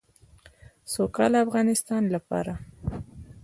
د سوکاله افغانستان لپاره.